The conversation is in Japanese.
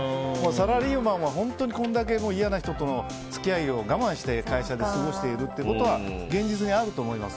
サラリーマンは、本当にこれだけ嫌な人との付き合いを我慢して会社で過ごしているってことは現実であると思います。